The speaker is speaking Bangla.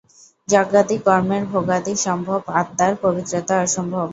যজ্ঞাদি কর্মের ভোগাদি সম্ভব, আত্মার পবিত্রতা অসম্ভব।